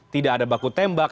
tidak ada baku tembak